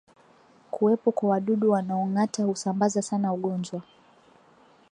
Kuwepo kwa wadudu wanaongata husambaza sana ugonjwa